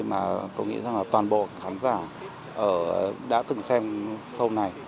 mà tôi nghĩ rằng là toàn bộ khán giả đã từng xem sâu này